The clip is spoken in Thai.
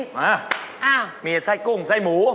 มามีไส้กุ้งไส้หมู